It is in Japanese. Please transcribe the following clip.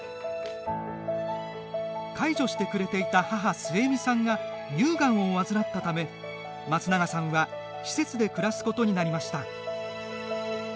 介助してくれていた母・末美さんが乳がんを患ったため、松永さんは施設で暮らすことになりました。